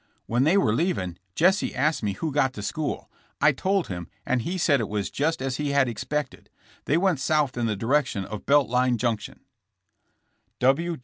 When they were leaving Jesse asked me who got the school. I told him and he said it was just as he had expected. They went south in the direction of Belt Line junction."